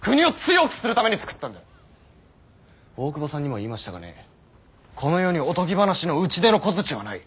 大久保さんにも言いましたがねこの世におとぎ話の打ち出の小槌はない。